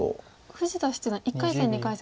富士田七段１回戦２回戦